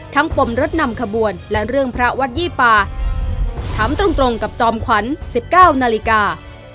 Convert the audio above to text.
ทั้งผมรัดนำขบวนและเรื่องพระวัดยี่ปาถามตรงตรงกับจอมขวัญ๑๙นาฬิกา